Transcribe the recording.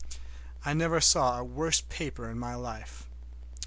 I never saw a worse paper in my life.